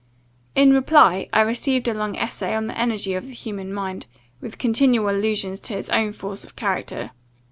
"In reply, I received a long essay on the energy of the human mind, with continual allusions to his own force of character.